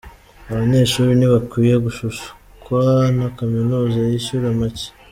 Abanyeshuri ntibakwiye gushukwa na Kaminuza zishyura make.